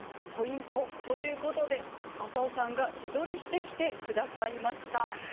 ポイントということで浅尾さんが自撮りしてきて下さいました。